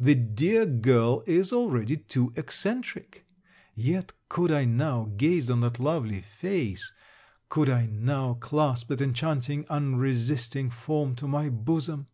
The dear girl is already too eccentric. Yet could I now gaze on that lovely face, could I now clasp that enchanting unresisting form to my bosom!